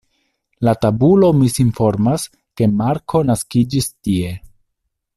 La tabulo misinformas, ke Marko naskiĝis tie.